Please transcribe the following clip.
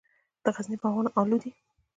د غزني باغونه الو دي